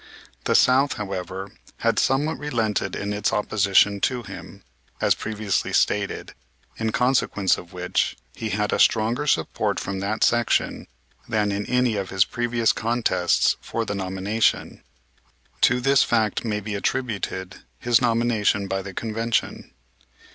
The South, however, had somewhat relented in its opposition to him, as previously stated, in consequence of which he had a stronger support from that section than in any of his previous contests for the nomination; to this fact may be attributed his nomination by the Convention.